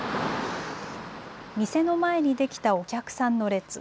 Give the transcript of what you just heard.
店の前にできたお客さんの列。